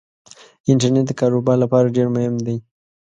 انټرنيټ دکار وبار لپاره ډیرمهم دی